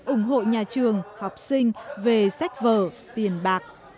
ủng hộ nhà trường học sinh về sách vở tiền bạc